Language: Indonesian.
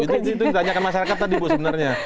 itu ditanyakan masyarakat tadi bu sebenarnya